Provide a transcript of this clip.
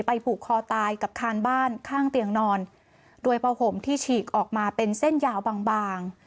ผูกคอตายกับคานบ้านข้างเตียงนอนโดยผ้าห่มที่ฉีกออกมาเป็นเส้นยาวบางบาง